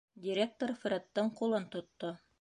Директор Фредтың ҡулын тотто.